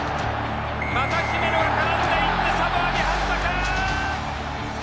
また姫野が絡んでいってサモアに反則。